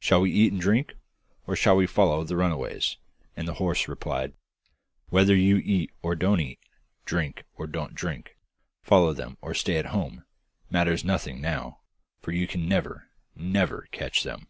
Shall we eat and drink, or shall we follow the runaways?' and the horse replied, 'Whether you eat or don't eat, drink or don't drink, follow them or stay at home, matters nothing now, for you can never, never catch them.